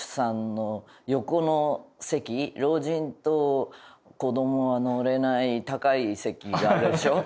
老人と子どもが乗れない高い席があるでしょ？